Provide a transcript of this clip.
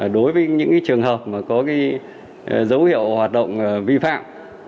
đối với những trường hợp có dấu hiệu hoạt động vi phạm